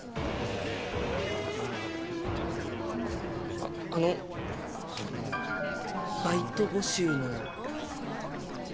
ああのバイト募集の。